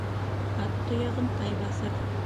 Ат тояғын тай баҫыр.